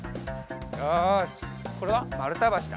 よしこれはまるたばしだ。